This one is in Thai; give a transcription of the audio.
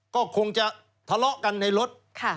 ก็คงจะทะเลาะกันในรถ